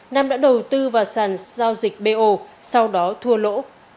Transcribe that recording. nam đã đầu tư vào sàn giao dịch bo sau đó thua lỗ